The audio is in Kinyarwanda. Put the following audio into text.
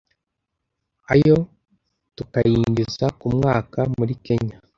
ayo tukayinjiza ku mwaka muri Kenya